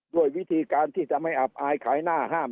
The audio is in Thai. ด้วยวิธีการที่จะไม่อับอายขายหน้าห้าม